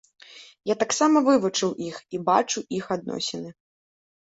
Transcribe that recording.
Я таксама вывучыў іх і бачу іх адносіны.